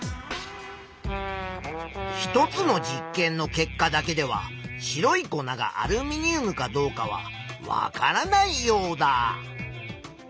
１つの実験の結果だけでは白い粉がアルミニウムかどうかはわからないヨウダ。